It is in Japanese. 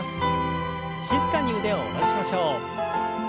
静かに腕を下ろしましょう。